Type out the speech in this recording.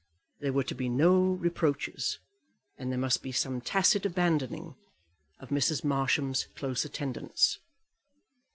There were to be no reproaches, and there must be some tacit abandoning of Mrs. Marsham's close attendance.